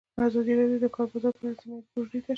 ازادي راډیو د د کار بازار په اړه سیمه ییزې پروژې تشریح کړې.